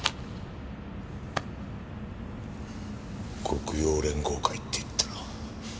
黒洋連合会って言ったな。